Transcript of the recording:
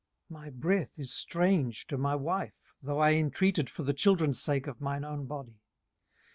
18:019:017 My breath is strange to my wife, though I intreated for the children's sake of mine own body.